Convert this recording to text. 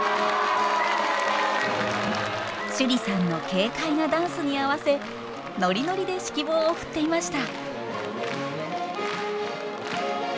趣里さんの軽快なダンスに合わせノリノリで指揮棒を振っていました。